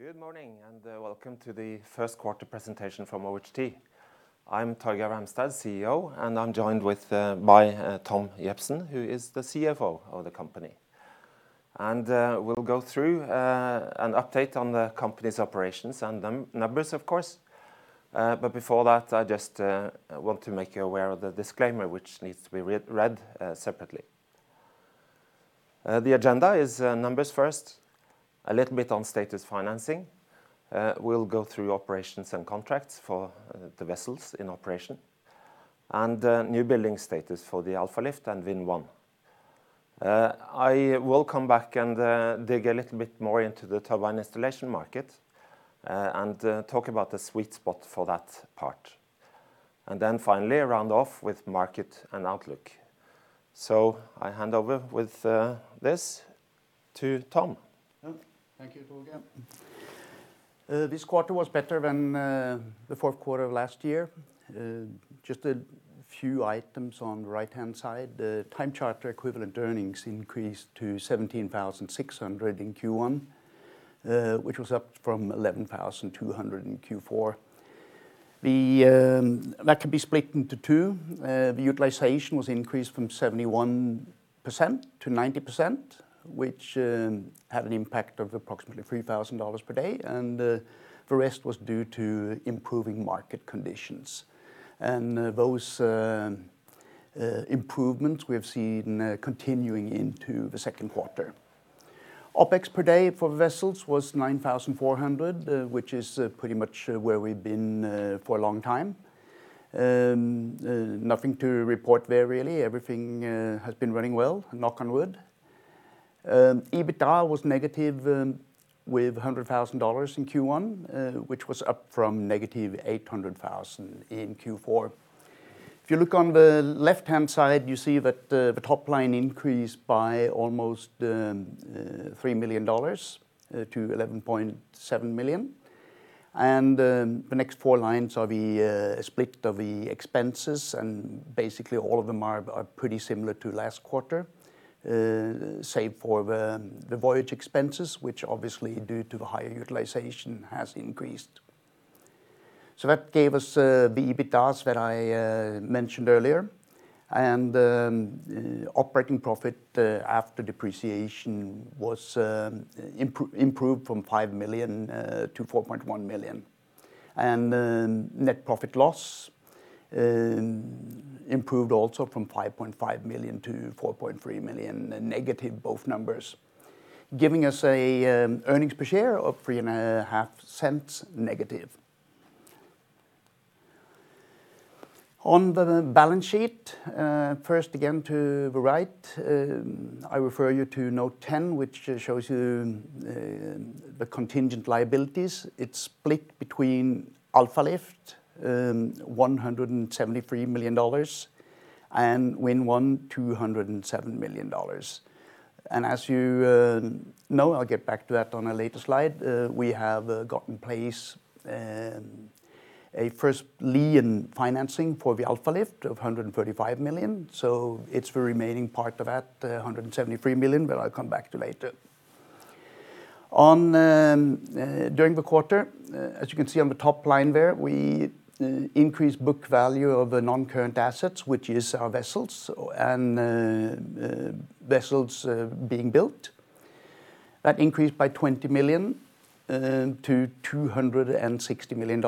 Good morning. Welcome to the first quarter presentation from OHT. I'm Torgeir Ramstad, CEO, and I'm joined by Tom Jebsen, who is the CFO of the company. We'll go through an update on the company's operations, and numbers, of course. Before that, I just want to make you aware of the disclaimer. Which needs to be read separately. The agenda is numbers first, a little bit on status financing. We'll go through operations, and contracts for the vessels in operation. And new building status for the Alfa Lift and Vind One. I will come back, and dig a little bit more into the Turbine Installation market. And talk about the sweet spot for that part. Finally, round off with market, and outlook. I hand over with this to Tom. Yep. Thank you, Torgeir. This quarter was better, than the fourth quarter last year. Just a few items on the right-hand side. The time charter equivalent earnings increased to $17,600 in Q1, which was up from $11,200 in Q4. That can be split into two. The utilization was increased from 71% to 90%, which had an impact of approximately $3,000 per day. The rest was due to improving market conditions. Those improvements we have seen continuing into the second quarter. OPEX per day for vessels was $9,400, which is pretty much where we've been for a long time. Nothing to report there really, everything has been running well, knock on wood. EBITDA was negative with $100,000 in Q1, which was up from -$800,000 in Q4. If you look on the left-hand side, you see that the top line increased by, almost $3 million to $11.7 million. The next four lines are the split of the expenses. And basically, all of them are pretty similar to last quarter. Save for the voyage expenses, which obviously due to the higher utilization has increased. That gave us the EBITDA that I mentioned earlier. Operating profit after depreciation, was improved from $5 million-$4.1 million. Net profit loss improved also from $5.5 million-$4.3 million, the negative both numbers. Giving us an earnings per share of -$0.035. On the balance sheet, first again to the right. I refer you to note 10, which shows you the contingent liabilities. It's split between Alfa Lift, $173 million, and Vind One, $207 million. As you know, I'll get back to that on a later slide. We have got in place a first lien financing for the Alfa Lift of $135 million. It's the remaining part of that $173 million, but I'll come back to later. During the quarter, as you can see on the top line there. We increased book value of the non-current assets. Which is our vessels, and vessels being built. That increased by $20 million to $260 million.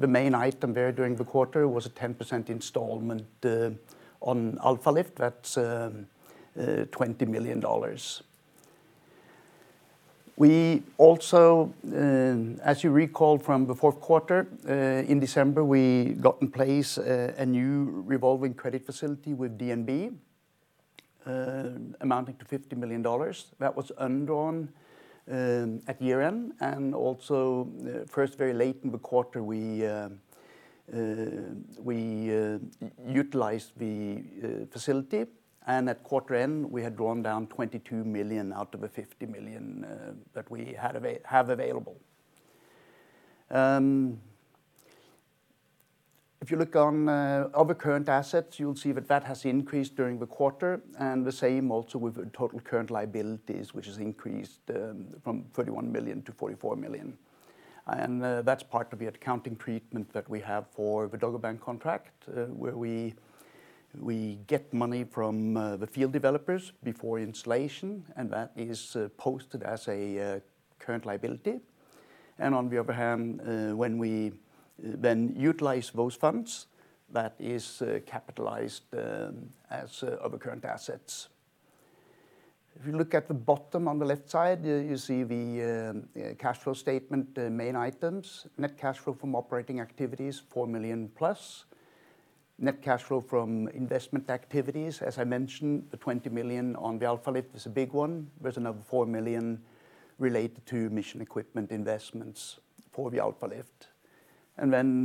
The main item there during the quarter, was a 10% installment on Alfa Lift. That's $20 million. As you recall from the fourth quarter, in December. We got in place a new revolving credit facility, with DNB amounting to $50 million. That was undrawn at year-end, and also first very late in the quarter. We utilized the facility, and at quarter end. We had drawn down $22 million, out of the $50 million that we have available. If you look on other current assets, you'll see that that has increased during the quarter. The same also with total current liabilities, which has increased from $31 million to $44 million. That's part of the accounting treatment, that we have for the Dogger Bank contract. Where we get money from the field developers before installation, and that is posted as a current liability. On the other hand, when we then utilize those funds. That is capitalized, as other current assets. If you look at the bottom on the left side. You see the cash flow statement, the main items. Net cash flow from operating activities, $4 million+. Net cash flow from investment activities, as I mentioned. The $20 million on the Alfa Lift is a big one. There's another $4 million related, to mission equipment investments for the Alfa Lift. Then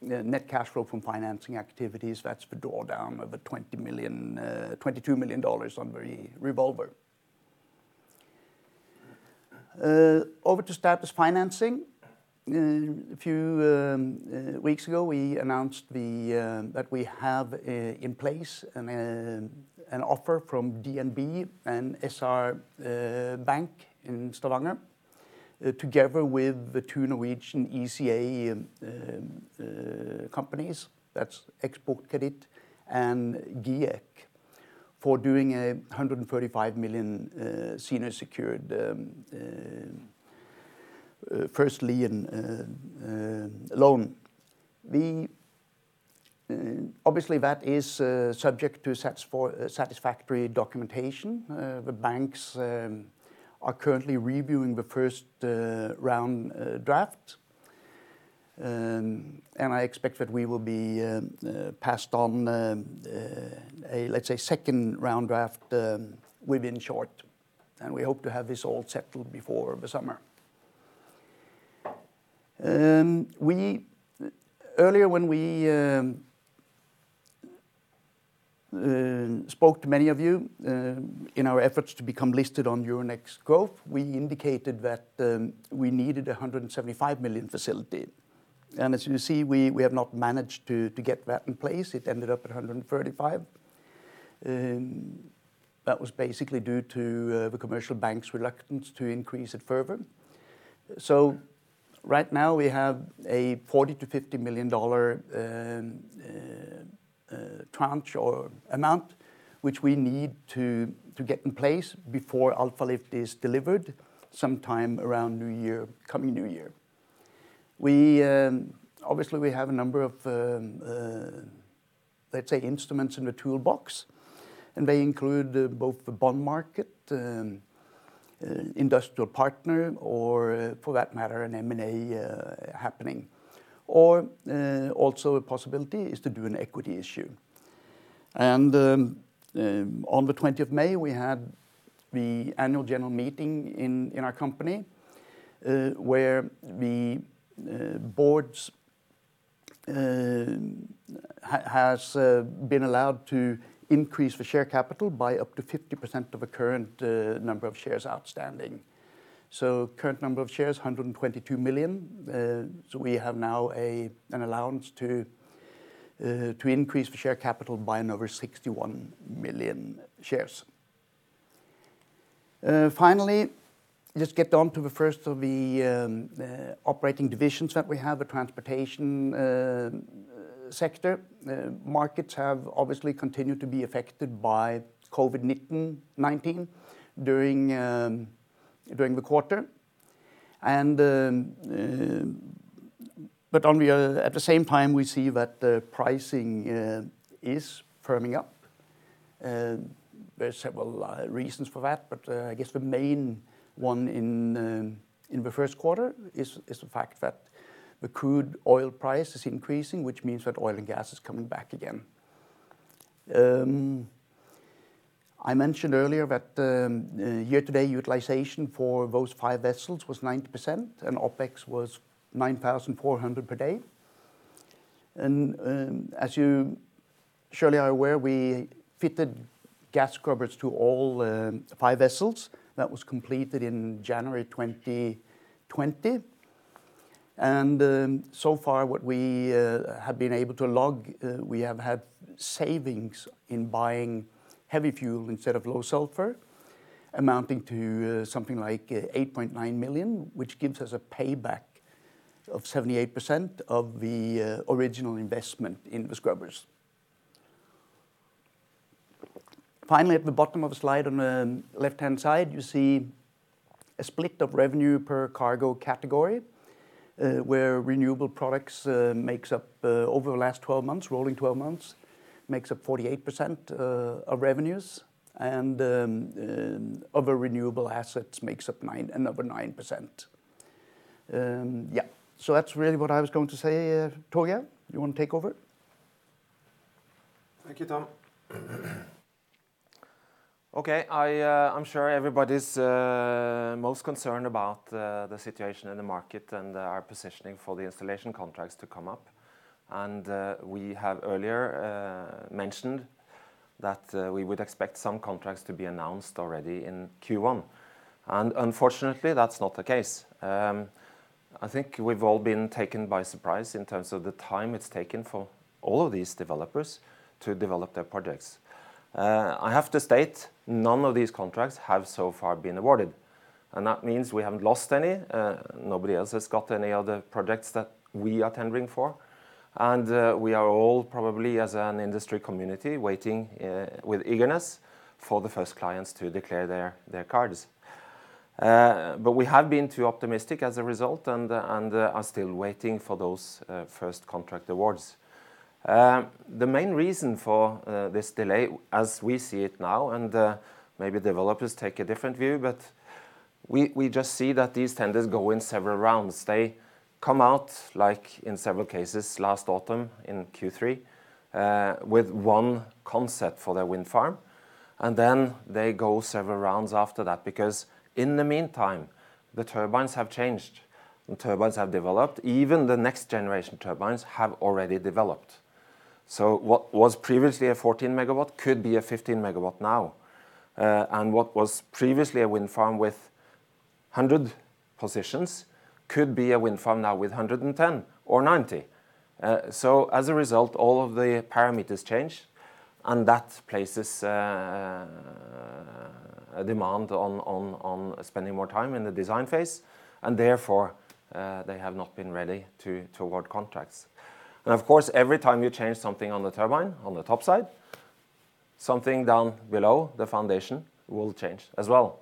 the net cash flow from financing activities. That's the drawdown of the $22 million on the revolver. Over to status financing. A few weeks ago, we announced that we have in place an offer from DNB, and SR-Bank in Stavanger. Together with the two Norwegian ECA companies, that's Eksportkreditt and GIEK. For doing a $135 million senior secured first lien loan. Obviously, that is subject to satisfactory documentation. The banks are currently reviewing the first-round draft. I expect that we will be passed on. Let's say, second round draft within short. We hope to have this all settled before summer. Earlier, when we spoke to many of you in our efforts. To become listed on Euronext Growth, we indicated that we needed a $175 million facility. As you see, we have not managed to get that in place. It ended up at $135 million. That was basically due, to the commercial banks' reluctance to increase it further. Right now, we have a $40 million-$50 million tranche or amount. Which we need to get in place, before Alfa Lift is delivered sometime around new year, coming new year. Obviously, we have a number of, let's say, instruments in the toolbox. And they include both the bond market, industrial partner or for that matter, an M&A happening. Or also a possibility is to do an equity issue. On the 20th of May, we had the Annual General Meeting in our company. Where the Board, has been allowed to increase the share capital. By up to 50% of the current number of shares outstanding. Current number of shares, 122 million. We have now an allowance to increase, the share capital by another 61 million shares. Finally, let's get on to the first of the operating divisions. That we have, the transportation sector. Markets have obviously continued to be affected by COVID-19 during the quarter. At the same time, we see that the pricing is firming up. There's several reasons for that, but I guess the main. One in the first quarter is the fact that, the crude oil price is increasing. Which means that oil, and gas is coming back again. I mentioned earlier, that year-to-date utilization for those five vessels was 90%, and OPEX was $9,400 per day. As you surely are aware, we fitted gas scrubbers to all five vessels. That was completed in January 2020. So far, what we have been able to log. We have had savings in buying heavy fuel instead of low sulphur. Amounting to something like $8.9 million. Which gives us a payback of 78%, of the original investment in the scrubbers. Finally, at the bottom of the slide on the left-hand side. You see a split of revenue per cargo category, where renewable products makes up over the last 12 months. Rolling 12 months, makes up 48% of revenues, and other renewable assets makes up another 9%. That's really what I was going to say. Torgeir, you want to take over? Thank you, Tom. Okay. I'm sure everybody's most concerned, about the situation in the market. And our positioning for the installation contracts to come up. We have earlier mentioned, that we would expect some contracts to be announced already in Q1. Unfortunately, that's not the case. I think we've all been taken by surprise, in terms of the time. It's taken for all of these developers, to develop their projects. I have to state, none of these contracts have so far been awarded. And that means we haven't lost any. Nobody else has got any other projects, that we are tendering for. We are all probably, as an industry community, waiting with eagerness. For the first clients to declare their cards. We have been too optimistic as a result, and are still waiting for those first contract awards. The main reason for this delay, as we see it now. And maybe developers take a different view. But we just see, that these tenders go in several rounds. They come out, like in several cases last autumn in Q3. With one concept for their wind farm, and then they go several rounds after that. Because in the meantime, the turbines have changed. The turbines have developed. Even the next generation turbines, have already developed. What was previously a 14 MW, could be a 15 MW now. What was previously a wind farm with 100 positions, could be a wind farm now with 110 or 90. As a result, all of the parameters change, and that places a demand. On spending more time in the design phase. And therefore, they have not been ready to award contracts. Of course, every time you change something on the turbine, on the top side. Something down below, the foundation, will change as well.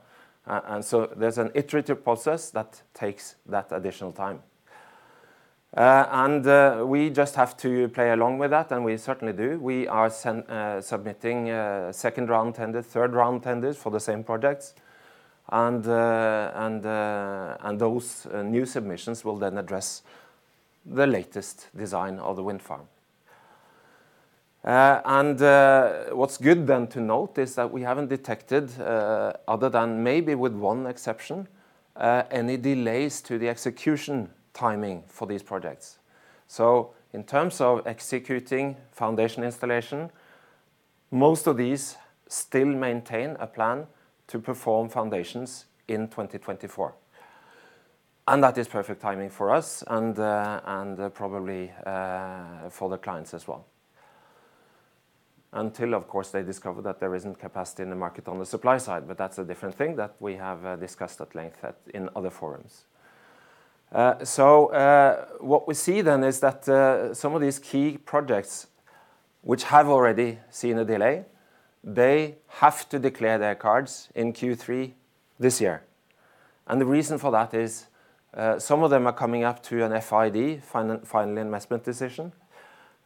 There's an iterative process, that takes that additional time. We just have to play along with that, and we certainly do. We are submitting second-round tenders, third-round tenders for the same projects. Those new submissions will then address, the latest design of the wind farm. What's good then to note, is that we haven't detected. Other than maybe, with one exception. Any delays to the execution timing for these projects. In terms of executing foundation installation, most of these still maintain a plan. To perform foundations in 2024. That is perfect timing for us, and probably for the clients as well. Until, of course, they discover that there isn't capacity, in the market on the supply side. That's a different thing that, we have discussed at length in other forums. What we see then, is that some of these key projects. Which have already seen a delay, they have to declare their cards in Q3 this year. The reason for that is, some of them are coming up to an FID, Final Investment Decision,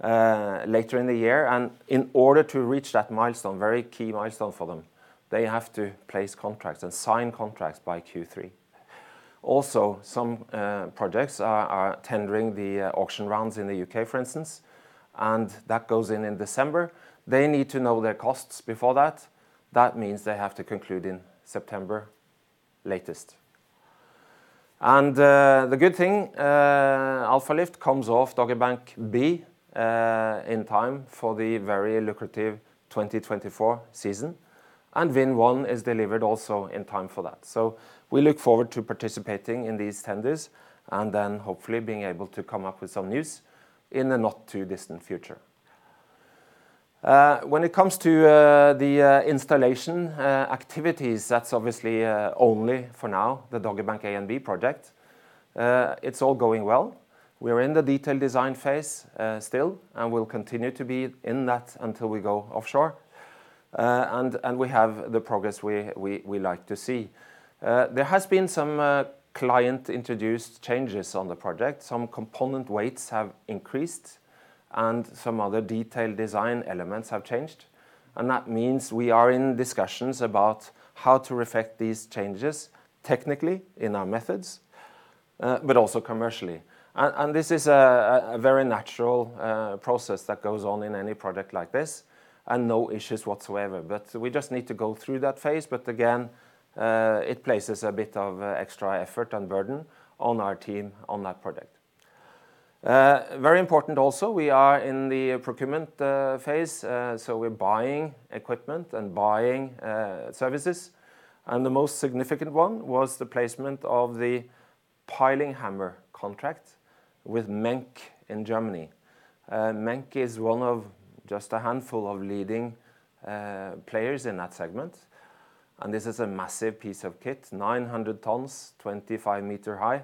later in the year. In order to reach that milestone, very key milestone for them. They have to place contracts, and sign contracts by Q3. Also, some projects are tendering the auction rounds in the U.K., for instance, that goes in in December. They need to know their costs before that. That means they have to conclude in September latest. The good thing, Alfa Lift comes off Dogger Bank B in time. For the very lucrative 2024 season, and Vind One is delivered also in time for that. We look forward to participating in these tenders. And then hopefully being able to come up, with some news in the not-too-distant future. When it comes to the installation activities. That's obviously, only for now the Dogger Bank A, and B project. It's all going well. We're in the detailed design phase still, and we'll continue to be in that until we go offshore. We have the progress we like to see. There has been some client-introduced changes on the project. Some component weights have increased, and some other detailed design elements have changed. That means we are in discussions about. How to reflect these changes technically, in our methods? But also, commercially. This is a very natural process, that goes on in any project like this, and no issues whatsoever. We just need to go through that phase. Again, it places a bit of extra effort, and burden on our team on that project. Very important also, we are in the procurement phase. We're buying equipment, and buying services. The most significant one, was the placement of the piling hammer contract, with Menck in Germany. Menck is one of just, a handful of leading players in that segment. This is a massive piece of kit, 900 tons, 25 m high.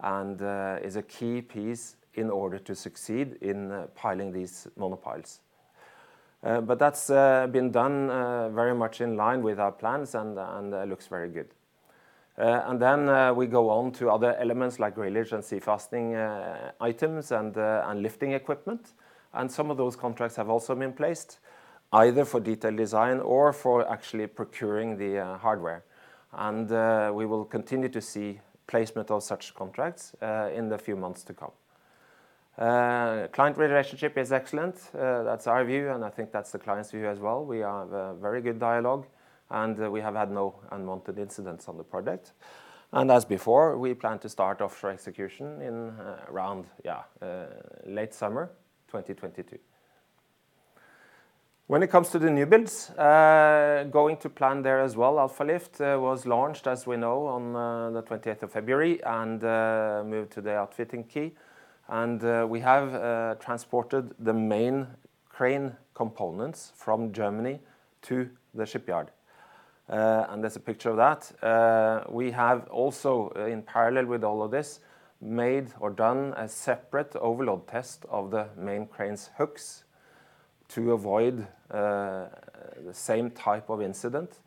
And is a key piece, in order to succeed in piling these monopiles. That's been done very much in line with our plans, and looks very good. We go on to other elements like grillage, and sea-fastening items, and lifting equipment. Some of those contracts have also been placed. Either for detailed design, or for actually procuring the hardware. We will continue to see, placement of such contracts. In the few months to come. Client relationship is excellent. That's our view, and I think that's the client's view as well. We have a very good dialogue, and we have had no unwanted incidents on the project. As before, we plan to start offshore execution in around late summer 2022. When it comes to the new builds, going to plan there as well. Alfa Lift was launched, as we know, on the 20th of February. And moved to the outfitting quay. We have transported the main crane components, from Germany to the shipyard. There's a picture of that. We have also, in parallel with all of this. Made or done a separate overload test of the main crane's hooks. To avoid the same type of incident,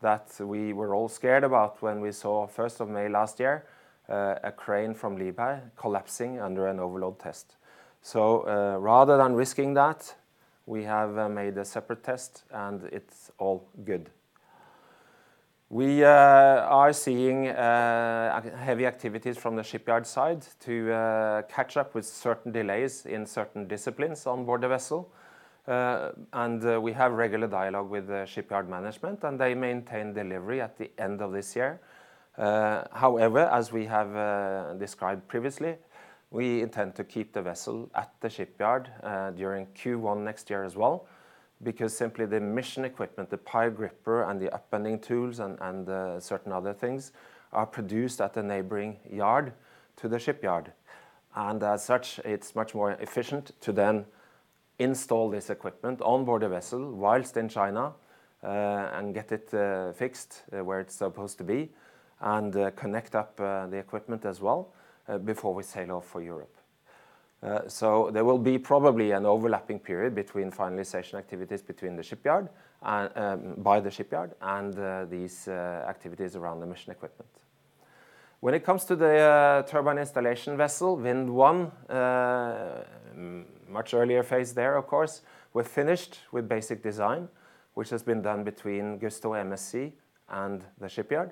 that we were all scared about. When we saw first of May last year, a crane from Liebherr. Collapsing under an overload test. Rather than risking that, we have made a separate test, and it's all good. We are seeing heavy activities from the shipyard side. To catch up with certain delays, in certain disciplines on board the vessel. We have regular dialogue with the shipyard management. And they maintain delivery, at the end of this year. However, as we have described previously. We intend to keep the vessel, at the shipyard during Q1 next year as well. Because simply the mission equipment, the pile gripper. And the upending tools, and certain other things. Are produced at the neighboring yard to the shipyard. As such, it's much more efficient to then, install this equipment on board the vessel whilst in China. And get it fixed, where it's supposed to be. And connect up the equipment as well, before we sail off for Europe. There will be probably, an overlapping period between finalization activities by the shipyard. And these activities around the mission equipment. When it comes to the Turbine Installation Vessel, Vind One, much earlier phase there, of course. We're finished with basic design, which has been done between GustoMSC, and the shipyard.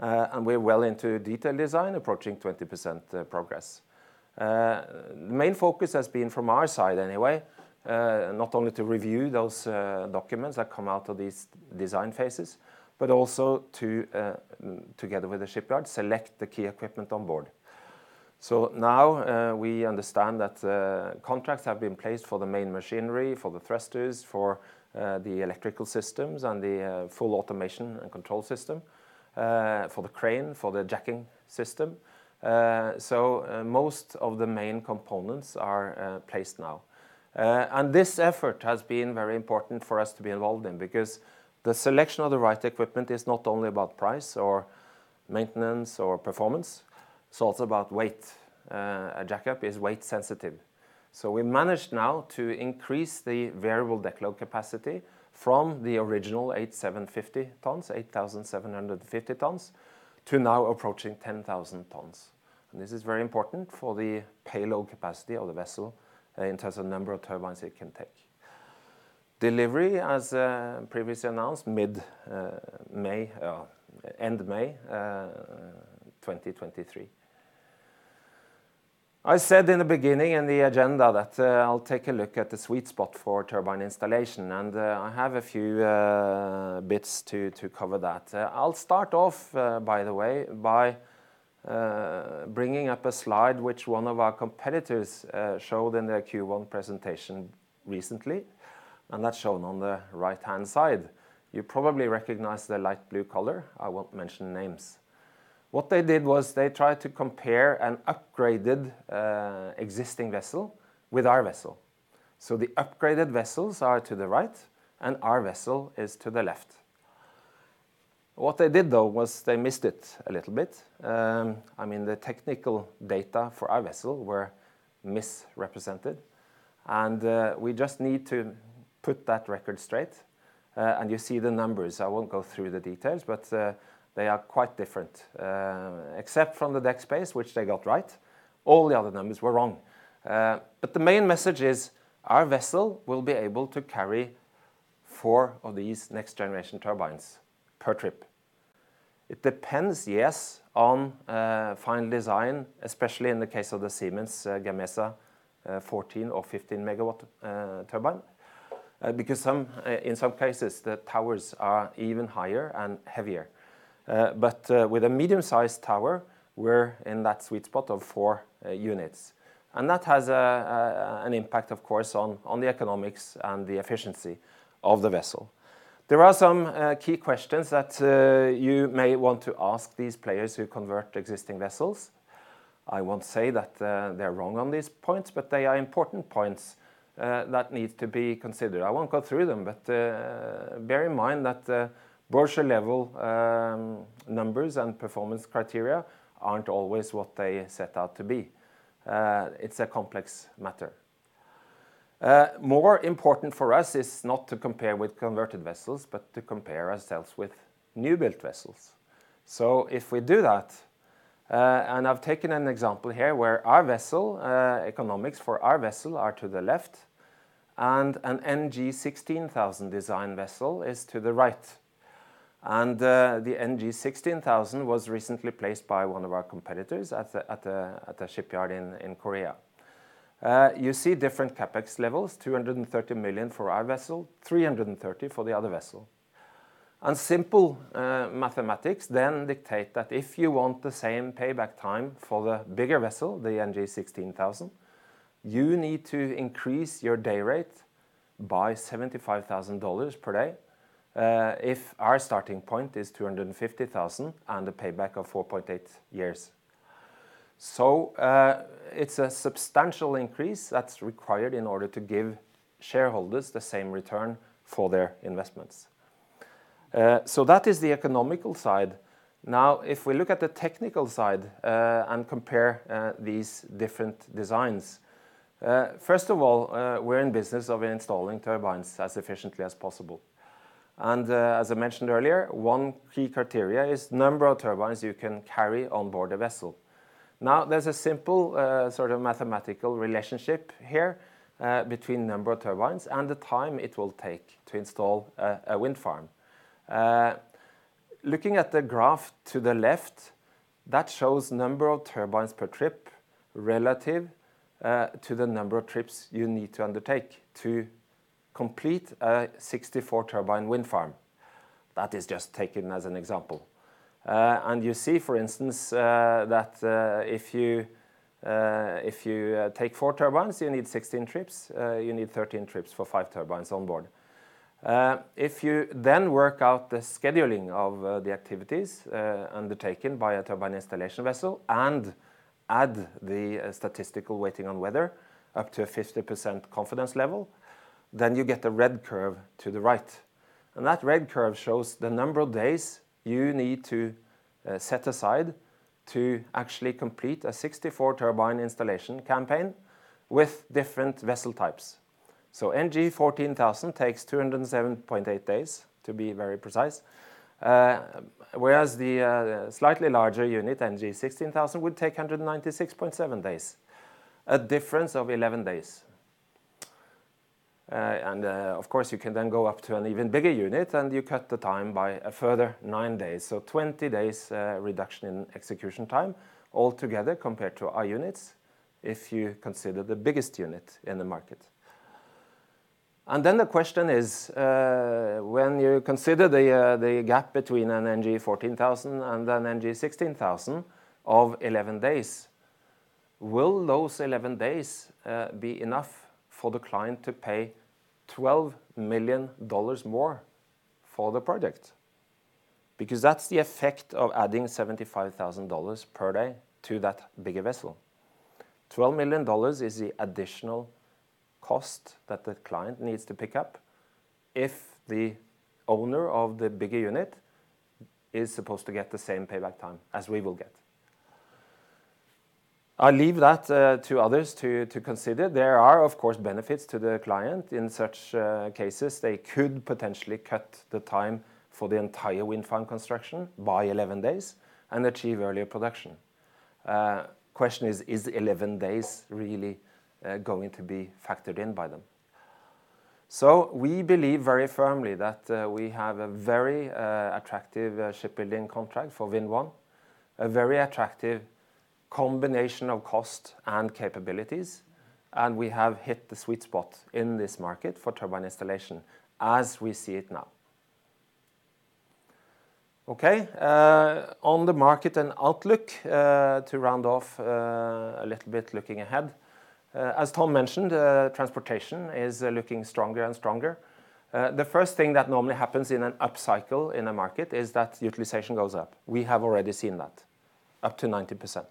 We're well into detailed design, approaching 20% progress. Main focus has been, from our side anyway. Not only to review those documents, that come out of these design phases. But also, to, together with the shipyard, select the key equipment onboard. Now we understand that contracts, have been placed for the main machinery. For the thrusters, for the electrical systems. And the full automation, and control system. For the crane, for the jacking system. Most of the main components are placed now. This effort has been very important for us to be involved in. Because the selection of the right equipment is not only about price, or maintenance, or performance. It's also about weight. A jack-up is weight sensitive. We managed now to increase the variable deck load capacity. From the original 8,750 tons, to now approaching 10,000 tons. This is very important for the payload capacity of the vessel. In terms of number of turbines, it can take. Delivery, as previously announced, end of May 2023. I said, in the beginning in the agenda. That I'll take a look at the sweet spot for Turbine Installation, and I have a few bits to cover that. I'll start off, by the way, by bringing up a slide. Which one of our competitors, showed in their Q1 presentation recently. And that's shown on the right-hand side. You probably recognize the light blue color. I won't mention names. What they did was they tried to compare, an upgraded existing vessel with our vessel. The upgraded vessels are to the right, and our vessel is to the left. What they did, though, was they missed it a little bit. I mean, the technical data for our vessel were misrepresented. We just need to put that record straight. You see the numbers. I won't go through the details, but they are quite different. Except from the deck space, which they got right. All the other numbers were wrong. The main message is, our vessel will be able to carry, four of these next-generation turbines per trip. It depends, yes, on final design. Especially, in the case of the Siemens Gamesa 14 MW or 15-MW turbine. Because in some cases, the towers are even higher, and heavier. With a medium-sized tower, we're in that sweet spot of four units. That has an impact, of course, on the economics and the efficiency of the vessel. There are some key questions, that you may want to ask these players, who convert existing vessels. I won't say that, they're wrong on these points. But they are important points, that need to be considered. I won't go through them, but bear in mind. That brochure-level numbers, and performance criteria aren't always, what they set out to be. It's a complex matter. More important for us, is not to compare with converted vessels. But to compare ourselves with new-built vessels. If we do that, and I've taken an example here. Where economics for our vessel are to the left, and an NG-16000X design vessel is to the right. The NG-16000X was recently placed, by one of our competitors at a shipyard in Korea. You see different CapEx levels, $230 million for our vessel, $330 million for the other vessel. Simple mathematics then dictate, that if you want the same payback time. For the bigger vessel, the NG-16,000X, you need to increase your day rate by $75,000 per day. If our starting point is $250,000, and a payback of 4.8 years. It's a substantial increase, that's required in order to give, shareholders the same return for their investments. That is the economical side. Now, if we look at the technical side, and compare these different designs. First of all, we're in business of installing turbines as efficiently as possible. As I mentioned earlier, one key criteria is number of turbines you can carry on board a vessel. Now, there's a simple sort of mathematical relationship here. Between number of turbines, and the time it will take to install a wind farm. Looking at the graph to the left. That shows number of turbines per trip, relative to the number of trips. You need to undertake, to complete a 64-turbine wind farm. That is just taken as an example. You see, for instance, that if you take four turbines, you need 16 trips. You need 13 trips, for five turbines on board. If you work out the scheduling of the activities. Undertaken by a Turbine Installation Vessel, and add the statistical waiting on weather. Up to a 50% confidence level, you get the red curve to the right. That red curve shows the number of days, you need to set aside. To actually complete a 64-Turbine Installation campaign, with different vessel types. NG-14000X takes 207.8 days to be very precise. Whereas the slightly larger unit, NG-16000X, would take 196.7 days. A difference of 11 days. Of course, you can then go up to an even bigger unit. And you cut the time by a further nine days. 20 days reduction in execution time, altogether compared to our units. If you consider the biggest unit in the market. Then the question is, when you consider the gap between an NG-14000X, and an NG-16000X of 11 days. Will those 11 days be enough, for the client to pay $12 million more for the project? Because that's the effect of adding $75,000 per day, to that bigger vessel. $12 million is the additional cost, that the client needs to pick up. If the owner of the bigger unit, is supposed to get the same payback time as we will get. I leave that to others to consider. There are, of course, benefits to the client in such cases. They could potentially cut the time, for the entire wind farm construction. By 11 days, and achieve earlier production. Question is, is 11 days really going to be factored in by them? We believe very firmly, that we have a very attractive shipbuilding contract for Vind One. A very attractive combination of cost, and capabilities. And we have hit the sweet spot in this market, for Turbine Installation as we see it now. On the market and outlook, to round off a little bit looking ahead. As Tom mentioned, transportation is looking stronger, and stronger. The first thing that normally happens in an upcycle in a market, is that utilization goes up. We have already seen that, up to 90%.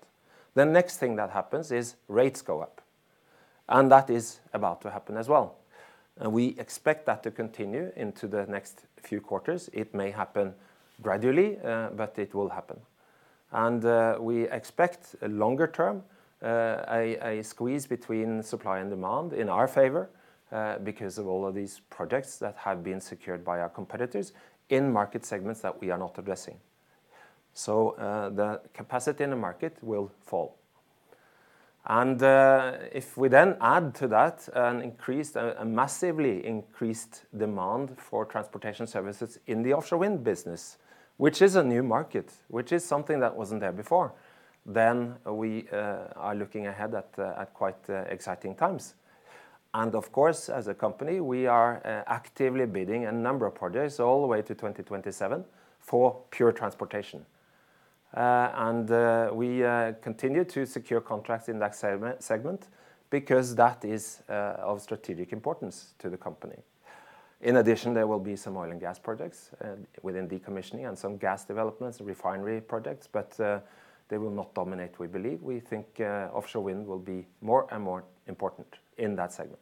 The next thing that happens, is rates go up. And that is about, to happen as well. We expect that, to continue into the next few quarters. It may happen gradually, but it will happen. We expect a longer term, a squeeze between supply, and demand in our favor. Because of all of these projects, that have been secured by our competitors. In market segments, that we are not addressing. The capacity in the market will fall. If we then add to that an increased. A massively increased demand, for transportation services in the offshore wind business. Which is a new market, which is something that wasn't there before? Then we are looking ahead at quite exciting times. Of course, as a company, we are actively bidding a number of projects. All the way to 2027 for pure transportation. We continue to secure contracts in that segment. Because that is of strategic importance to the company. There will be some oil, and gas projects within decommissioning. And some gas developments, refinery projects. They will not dominate, we believe. We think offshore wind will be more, and more important in that segment.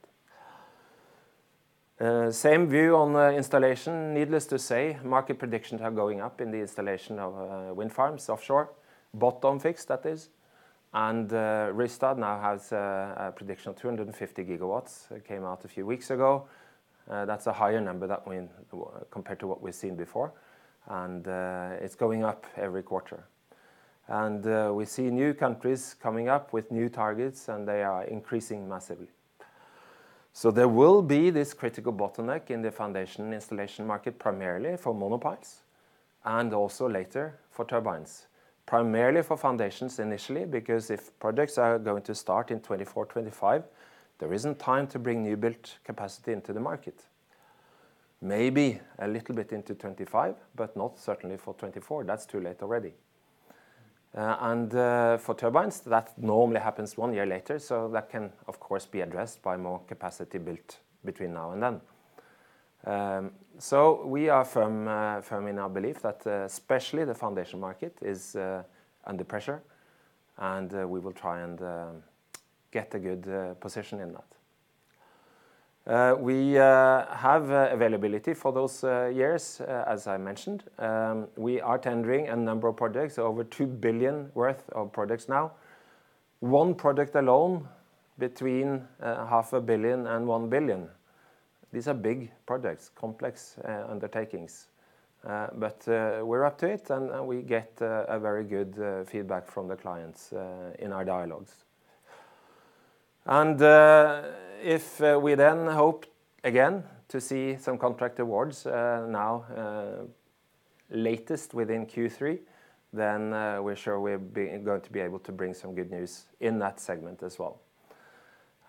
Same view on the installation. Needless to say, market predictions are going up. In the installation of wind farms offshore, bottom fixed, that is. Rystad now has a prediction of 250 GW. It came out a few weeks ago. That's a higher number compared, to what we've seen before. And it's going up every quarter. We see new countries coming up with new targets, and they are increasing massively. There will be this critical bottleneck, in the foundation installation market. Primarily for monopiles, and also later for turbines. Primarily for foundations initially, because if projects are going to start in 2024, 2025. There isn't time to bring new-built capacity into the market. Maybe a little bit into 2025, not certainly for 2024. That's too late already. For turbines, that normally happens one year later. That can, of course, be addressed by more capacity built between now, and then. We are firm in our belief, that especially the foundation market is under pressure. And we will try, and get a good position in that. We have availability for those years, as I mentioned. We are tendering a number of projects, over $2 billion worth of projects now. One project alone between $0.5 billion and $1 billion. These are big projects, complex undertakings. We're up to it, and we get a very good feedback. From the clients in our dialogues. If we then hope again, to see some contract awards now latest within Q3. Then we're sure we are going, to be able to bring some good news, in that segment as well.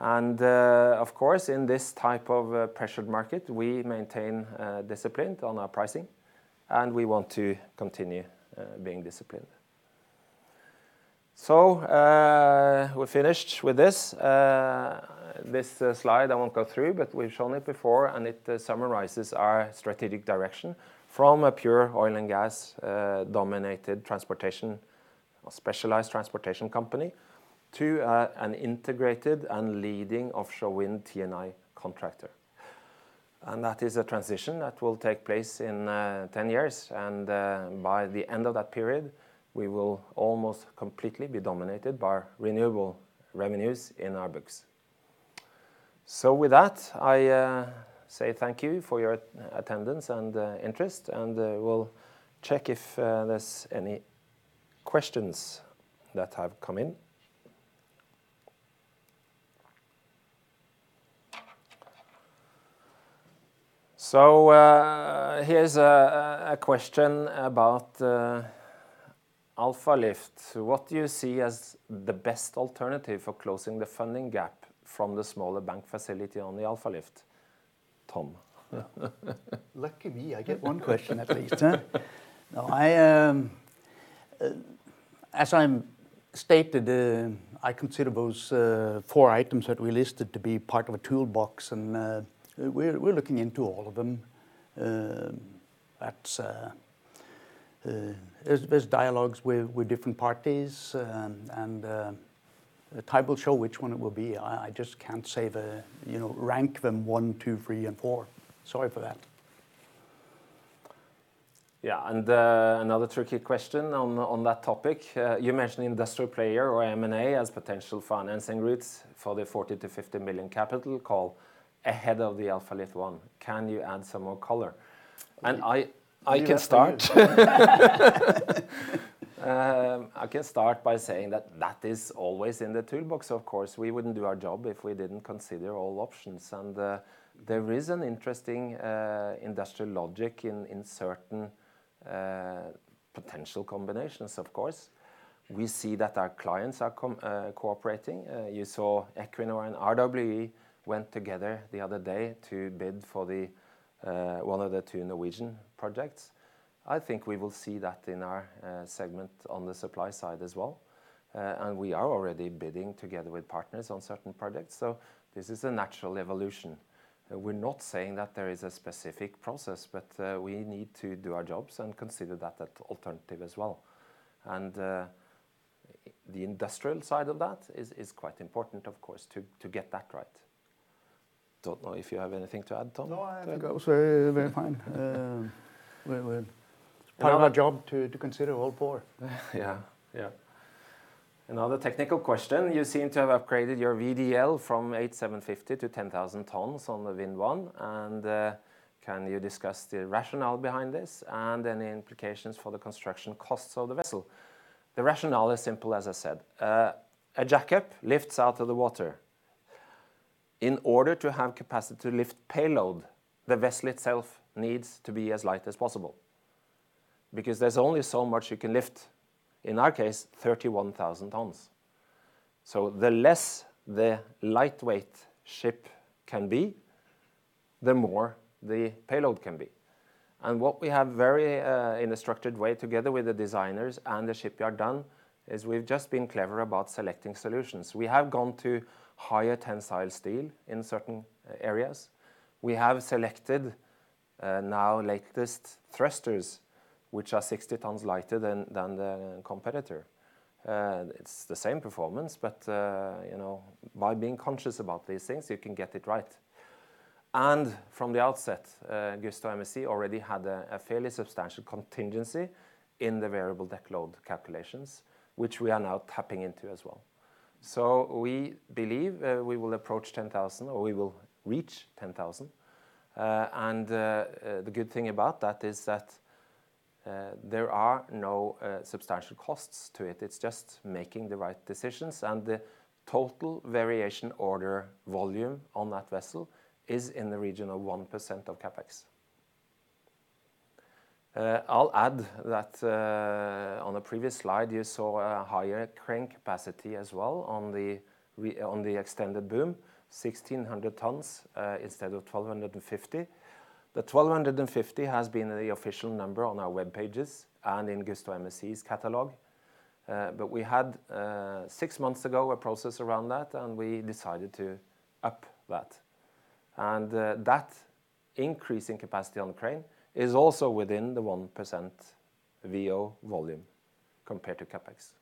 Of course, in this type of pressured market, we maintain discipline on our pricing. And we want to continue being disciplined. We're finished with this. This slide I won't go through, but we've shown it before. And it summarizes our strategic direction from a pure oil, and gas-dominated transportation. Or specialized transportation company to an integrated, and leading offshore wind T&I contractor. That is a transition, that will take place in 10 years. By the end of that period, we will almost completely be dominated. By renewable revenues in our books. With that, I say thank you for your attendance and interest. And we'll check if there's any questions that have come in. Here's a question about the Alfa Lift. What do you see as the best alternative for closing the funding gap, from the smaller bank facility on the Alfa Lift, Tom? Lucky me, I get one question at least. As I stated, I consider those four items, that we listed to be part of a toolbox. And we're looking into all of them. There's dialogues with different parties, and time will show which one it will be. I just can't say the rank them one, two, three, and four. Sorry for that. Yeah. Another tricky question on that topic. You mentioned industrial player or M&A, as potential financing routes. For the $40 million-$50 million capital call ahead of the Alfa Lift one. Can you add some more color? I can start by saying that, that is always in the toolbox, of course. We wouldn't do our job, if we didn't consider all options. There is an interesting, industrial logic in certain potential combinations, of course. We see that our clients are cooperating. You saw Equinor, and RWE went together the other day. To bid for one of the two Norwegian projects. I think we will see that, in our segment on the supply side as well. We are already bidding together, with partners on certain projects. This is a natural evolution. We're not saying that there is a specific process. But we need to do our jobs, and consider that alternative as well. The industrial side of that is quite important, of course, to get that right. Don't know if you have anything to add, Tom? No, I'd go say we're fine. Part of our job to consider all four. Yeah. Another technical question. You seem to have upgraded your VDL from 8,750 tons-10,000 tons on the Vind One. And can you discuss the rationale behind this, and any implications for the construction costs of the vessel? The rationale is simple, as I said. A jack-up lifts out of the water. In order to have capacity to lift payload, the vessel itself needs to be as light as possible. Because there's only so much you can lift, in our case, 31,000 tons. The less the lightweight ship can be, the more the payload can be. What we have very in a structured way together with the designers, and the shipyard done? Is we've just been clever about selecting solutions. We have gone to higher tensile steel in certain areas. We have selected, and now like these thrusters. Which are 60 tons lighter than the competitor. It's the same performance, but by being conscious. About these things, you can get it right. From the outset, GustoMSC already had a fairly substantial contingency. In the variable deck load calculations, which we are now tapping into as well. We believe we will approach 10,000, or we will reach 10,000. The good thing about that is that, there are no substantial costs to it. It's just making the right decisions, and the total variation order volume, on that vessel is in the region of 1% of CapEx. I'll add that on the previous slide, you saw a higher crane capacity as well. On the extended boom, 1,600 tons instead of 1,250 tons. The 1,250 tons has been the official number on our webpages, and in GustoMSC's catalog. We had, six months ago, a process around that, and we decided to up that. That increase in capacity on the crane, is also within the 1% VO volume compared to CapEx.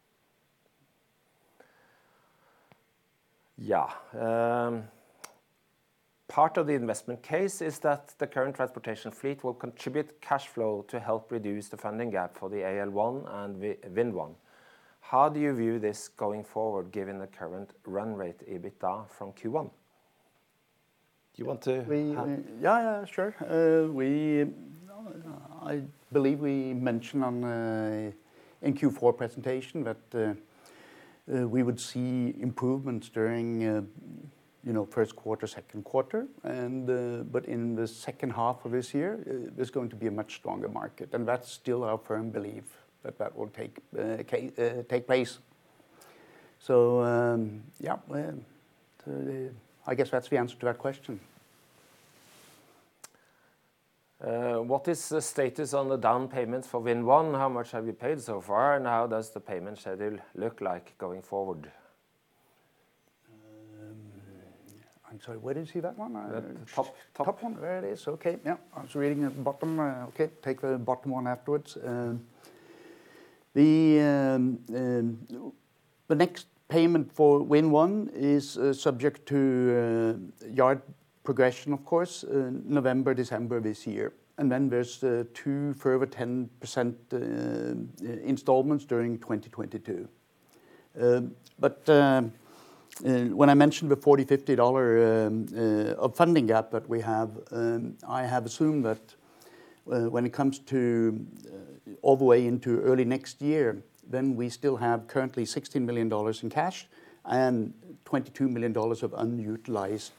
Part of the investment case, is that the current transportation fleet. Will contribute cash flow, to help reduce the funding gap for the AL1, and the Vind One. How do you view this going forward, given the current run rate EBITDA from Q1? Yeah, sure. I believe we mentioned in the Q4 presentation. That we would see improvements during first quarter, second quarter. In the second half of this year, there's going to be a much stronger market. That's still our firm belief, that will take place. Yeah. I guess that's the answer to that question. What is the status on the down payment for Vind One? How much have you paid so far? How does the payment schedule look like going forward? I'm sorry, where did you see that one? The top one? Top one. There it is. I was reading at the bottom. Okay, take the bottom one afterwards. The next payment for Vind One, is subject to yard progression. Of course, November, December of this year. There's two further 10% installments during 2022. When I mentioned the $40, $50 of funding gap that we have. I have assumed that, when it comes all the way into early next year? Then we still have currently $60 million in cash, and $22 million of unutilized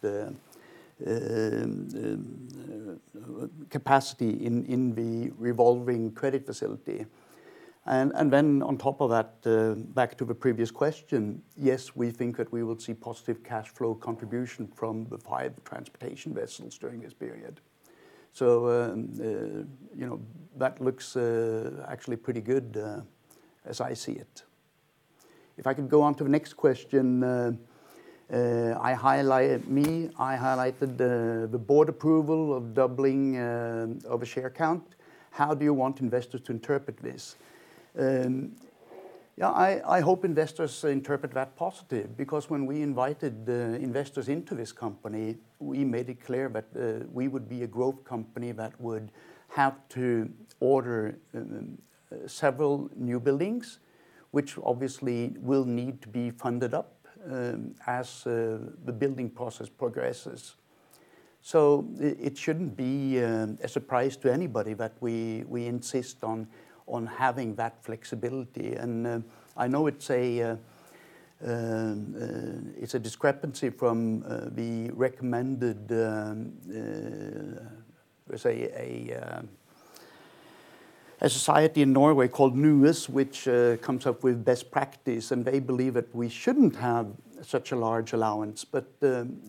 capacity, in the revolving credit facility. On top of that, back to the previous question. Yes, we think that we will see positive cash flow contribution. From the five transportation vessels during this period. That looks actually pretty good as I see it. If I can go on to the next question. I highlighted the board approval, of doubling of a share count. How do you want investors to interpret this? I hope investors interpret that positive, because when we invited the investors into this company? We made it clear, that we would be a growth company. That would have to order several newbuildings. Which obviously, will need to be funded up, as the building process progresses. It shouldn't be a surprise to anybody. That we insist on having that flexibility, and I know it's a discrepancy from the recommended. A society in Norway called NOR, which comes up with best practice? And they believe that, we shouldn't have such a large allowance.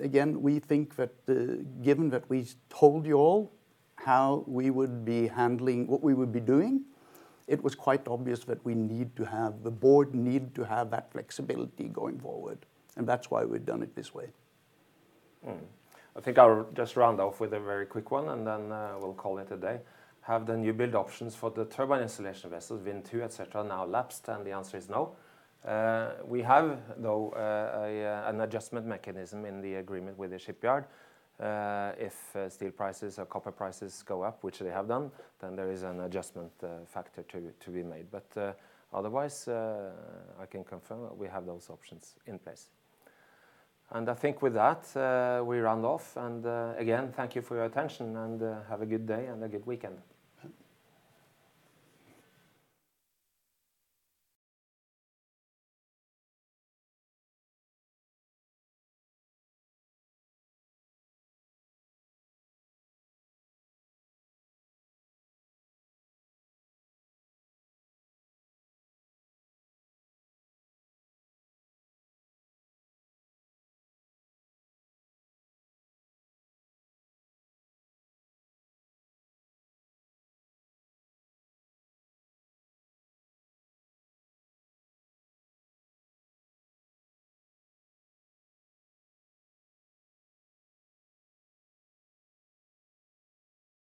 Again, we think that given that we told you all. How we would be handling? What we would be doing? It was quite obvious, that the board need to have that flexibility going forward. And that's why we've done it this way. I think I'll just round off with a very quick one, and then we'll call it a day. Have the new build options for the Turbine Installation Vessels, Vind Two, et cetera, now lapsed? The answer is no. We have, though, an adjustment mechanism in the agreement with the shipyard. If steel prices or copper prices go up, which they have done. Then there is an adjustment factor to be made. Otherwise, I can confirm that we have those options in place. I think with that, we round off. Again, thank you for your attention, and have a good day, and a good weekend.